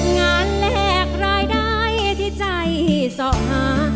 งานแหลกรายได้ที่ใจสอบหา